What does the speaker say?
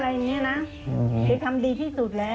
เรากว่าวันนึงเห็นลูกเรามันดีใจขนาดไหน